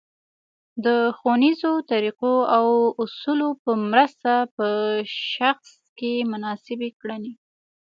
د ښونیزو طریقو او اصولو په مرسته په شخص کې مناسبې کړنې